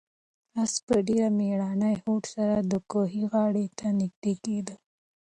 آس په ډېر مېړني هوډ سره د کوهي غاړې ته نږدې کېده.